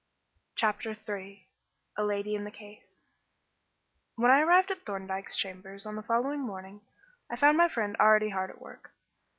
CHAPTER III A LADY IN THE CASE When I arrived at Thorndyke's chambers on the following morning, I found my friend already hard at work.